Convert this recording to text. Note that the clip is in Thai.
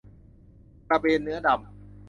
กระเบนเนื้อดำ